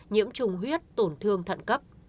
nhiễm trùng huyết tổn thương thận cấp